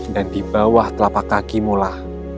dan di bawah telapak kakimulah